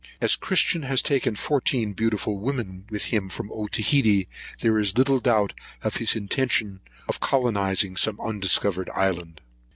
As Christian has taken fourteen beautiful women with him from Otaheite, there is little doubt of his intention of colonising some undiscovered island.